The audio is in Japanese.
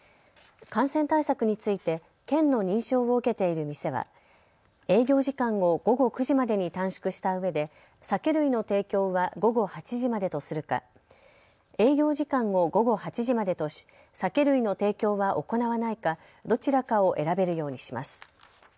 感染対策について県の認証を受けている店は営業時間を午後９時までに短縮したうえで酒類の提供は午後８時までとするか営業時間を午後８時までとし酒類の提供は行わないかどちらかを選べるようにします。